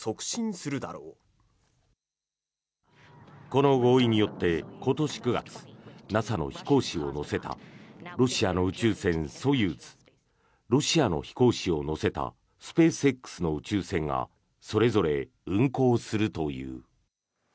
この合意によって、今年９月ＮＡＳＡの飛行士を乗せたロシアの宇宙船ソユーズロシアの飛行士を乗せたスペースＸの宇宙船がそれぞれ運航するという。